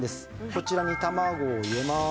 こちらに卵を入れます。